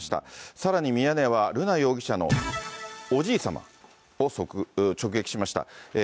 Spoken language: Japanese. さらにミヤネ屋は、瑠奈容疑者のおじいさまを直撃しました。